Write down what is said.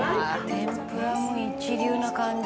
「天ぷらも一流な感じ」